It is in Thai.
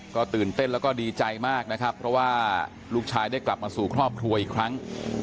ก็ตื่นเต้นแล้วก็ดีใจมากนะครับเพราะว่าลูกชายได้กลับมาสู่ครอบครัวอีกครั้ง